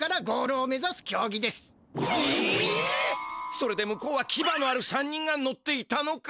それで向こうはキバのある３人が乗っていたのか。